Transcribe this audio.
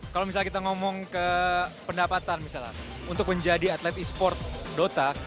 kalau misalnya kita ngomong ke pendapatan misalnya untuk menjadi atlet e sport dota